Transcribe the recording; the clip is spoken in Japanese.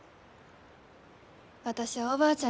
私はおばあちゃんゆう